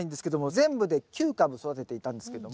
全部で９株育てていたんですけども。